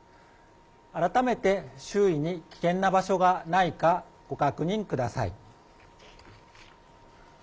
改めて周囲に危険な場所がないか、ご確認ください。